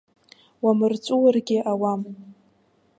Уамырҵәыуаргьы ауам.